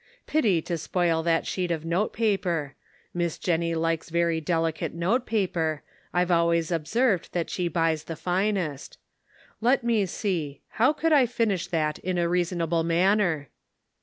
Pity to spoil that sheet of note paper. Miss Jennie likes very delicate note paper; I've always observed that she Conflicting Duties. 205 buys the finest. Let me see, how could I finish that in a reasonable manner